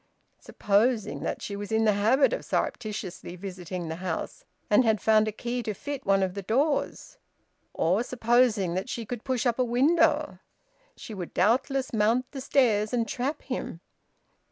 Supposing that she was in the habit of surreptitiously visiting the house, and had found a key to fit one of the doors, or supposing that she could push up a window, she would doubtless mount the stairs and trap him!